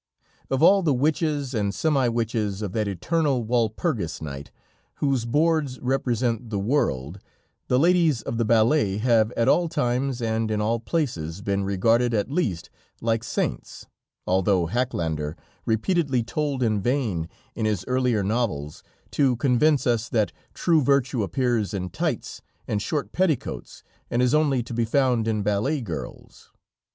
Of all the witches and semi witches of that eternal Walpurgis night, whose boards represent the world, the ladies of the ballet have at all times and in all places been regarded at least like saints, although Hackländer repeatedly told in vain in his earlier novels, to convince us that true virtue appears in tights and short petticoats and is only to be found in ballet girls.